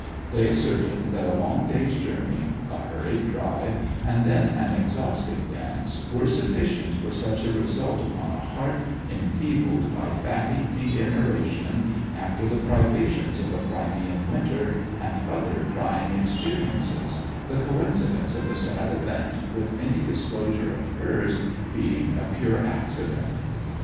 They asserted that a long day's journey, a hurried drive, and then an exhausting dance, were sufficient for such a result upon a heart enfeebled by fatty degeneration after the privations of a Crimean winter and other trying experiences, the coincidence of the sad event with any disclosure of hers being a pure accident.